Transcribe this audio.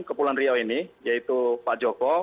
kepulauan riau ini yaitu pak joko